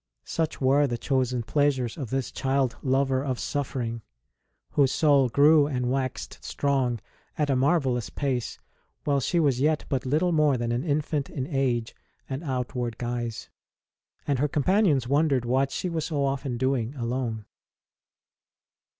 Such were the chosen pleasures of this child lover of suffering, whose soul grew and waxed strong at a marvellous pace while she was yet but little more than an infant in age and outward guise; and her companions wondered what she was so often doing alone.